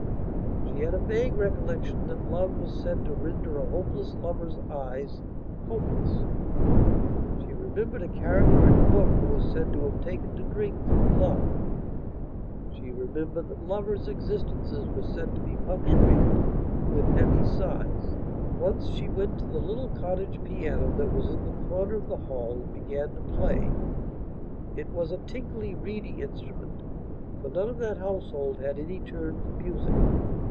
She had a vague recollection that love was said to render a hopeless lover's eyes hopeless; she remembered a character in a book who was said to have taken to drink through love; she remembered that lovers' existences were said to be punctuated with heavy sighs. Once she went to the little cottage piano that was in the corner of the hall and began to play. It was a tinkly, reedy instrument, for none of that household had any turn for music.